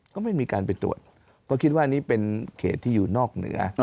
ก็ไม่มีการไปตรวจเพราะคิดว่านี่เป็นเขตที่อยู่นอกเหนือ